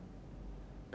tidak mau bertemu dengan aku